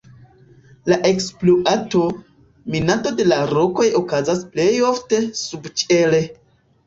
La ekspluato, minado de la rokoj okazas plej ofte subĉiele.